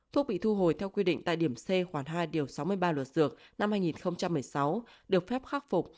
thuốc bị thu hồi theo quy định tại điểm c khoảng hai điều sáu mươi ba luật dược năm hai nghìn một mươi sáu được phép khắc phục